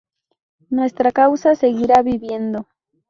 Nuestra Causa seguirá viviendo.